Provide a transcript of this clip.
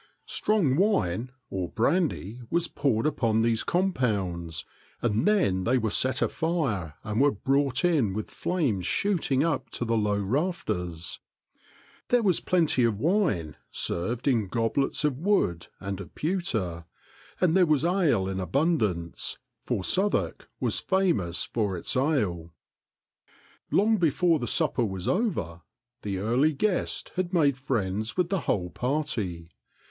" Strong wine," or brandy, was poured upon these compounds, and then they were set afire and were brought in with flames shooting up to the low rafters. There was plenty of wine, served in goblets of wood and of pewter, and there was ale in abundance, for Southwark was famous for its ale. Long before the supper was over, the early guest had made friends with the whole party.